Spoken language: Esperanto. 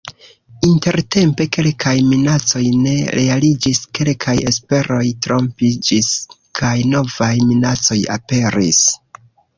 Intertempe kelkaj minacoj ne realiĝis, kelkaj esperoj trompiĝis, kaj novaj minacoj aperis.